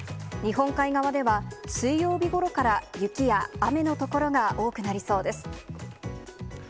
日本海側では水曜日ごろから雪や雨の所が多くなりそうです。